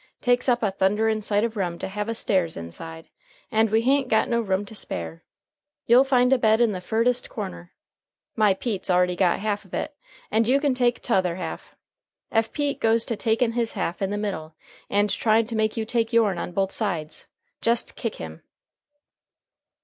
Takes up a thunderin' sight of room to have a stairs inside, and we ha'n't got no room to spare. You'll find a bed in the furdest corner. My Pete's already got half of it, and you can take t'other half. Ef Pete goes to takin' his half in the middle, and tryin' to make you take yourn on both sides, jest kick him."